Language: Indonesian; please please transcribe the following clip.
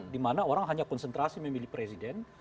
dimana orang hanya konsentrasi memilih presiden